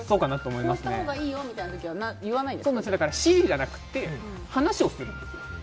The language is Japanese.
こうしたほうがいいみたいな時は指示じゃなくて話をするんですよ。